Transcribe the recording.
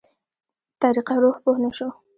طريقه روح پوه نه شو.